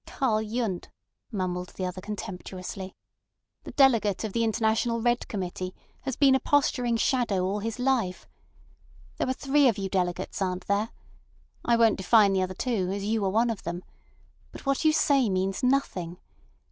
"Karl Yundt," mumbled the other contemptuously, "the delegate of the International Red Committee, has been a posturing shadow all his life. There are three of you delegates, aren't there? I won't define the other two, as you are one of them. But what you say means nothing.